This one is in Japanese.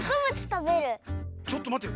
ちょっとまってよ。